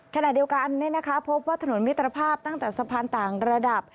ขณะเดียวกันพบว่าถนนมิตรภาพตั้งแต่สะพานต่างระดับ